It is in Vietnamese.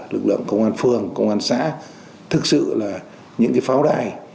lực lượng công an phường công an xã thực sự là những cái pháo đài